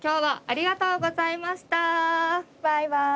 ありがとうございます。